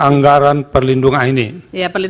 anggaran perlindungan ini ya paling